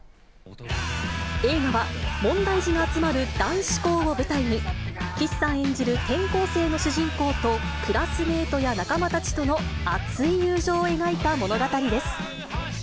映画は、問題児が集まる男子校を舞台に、岸さん演じる転校生の主人公と、クラスメートや仲間たちとの熱い友情を描いた物語です。